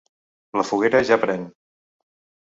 La foguera ja pren!